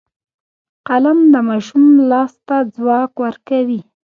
قلم د ماشوم لاس ته ځواک ورکوي